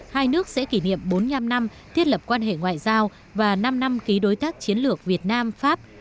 hai nước sẽ kỷ niệm bốn mươi năm năm thiết lập quan hệ ngoại giao và năm năm ký đối tác chiến lược việt nam pháp